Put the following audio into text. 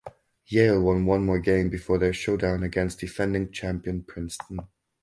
Yale won one more game before their showdown against defending champion Princeton.